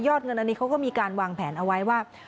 เงินอันนี้เขาก็มีการวางแผนเอาไว้ว่า